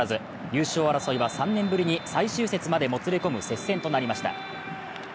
優勝争いは、３年ぶりに最終節までもつれ込む接戦となりました。